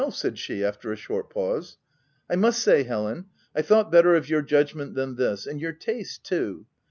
said she, after a short pause. " I must say, Helen, I thought better of your judg ment than this— and your taste too.